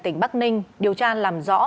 tỉnh bắc ninh điều tra làm rõ